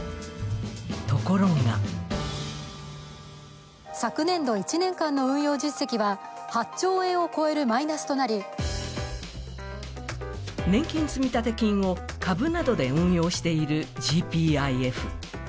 ところが昨年度１年間の運用実績は８兆円を超えるマイナスとなり年金積立金を株などで運用しているＧＰＩＦ。